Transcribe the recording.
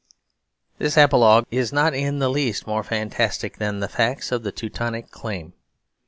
This apologue is not in the least more fantastic than the facts of the Teutonic claim.